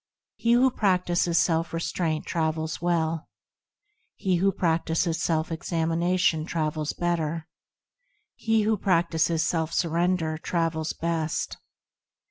He who practises self restraint travels well; He who practises self examination travels better; He who practises self surrender travels best.